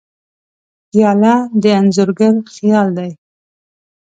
پیاله د انځورګر خیال دی.